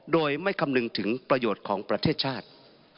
โดยไม่คำนึงถึงประโยชน์ของประเทศชาติ